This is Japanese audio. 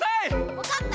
わかった！